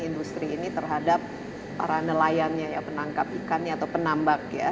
industri ini terhadap para nelayannya ya penangkap ikannya atau penambak ya